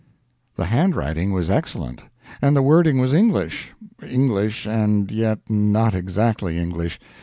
The handwriting was excellent, and the wording was English English, and yet not exactly English.